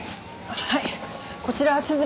はい。